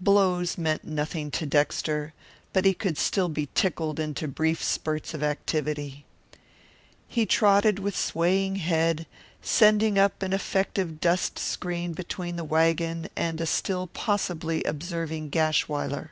Blows meant nothing to Dexter, but he could still be tickled into brief spurts of activity. He trotted with swaying head, sending up an effective dust screen between the wagon and a still possibly observing Gashwiler.